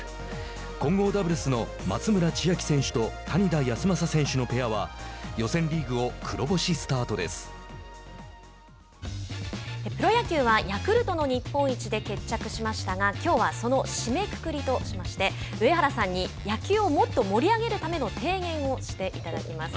混合ダブルスの松村千秋選手と谷田康真選手のペアはプロ野球はヤクルトの日本一で決着しましたがきょうはその締めくくりとしましてきょうはその締めくくりとしまして上原さんに野球をもっと盛り上げるための提言をしていただきます。